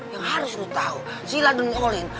yang harus lo tau sila dan olin